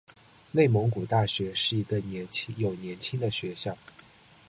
内蒙古大学是一个有年轻的学校。